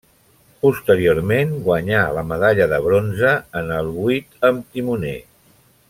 Posteriorment guanyà la medalla de bronze en el vuit amb timoner.